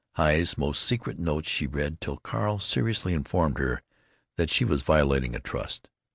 Heye's most secret notes she read, till Carl seriously informed her that she was violating a trust.